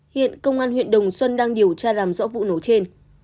hiện công an huyện đồng xuân đang điều tra làm rõ vụ nổ trên